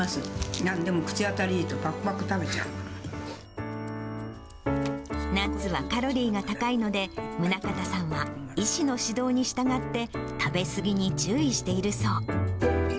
なんでも口当たりいいとぱくぱくナッツはカロリーが高いので、宗形さんは医師の指導に従って、食べ過ぎに注意しているそう。